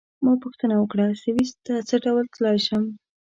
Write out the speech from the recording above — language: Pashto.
ما پوښتنه وکړه: سویس ته څه ډول تلای شم؟